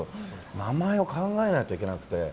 名前を考えなきゃいけなくて。